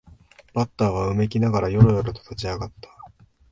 バッターはうめきながらよろよろと立ち上がった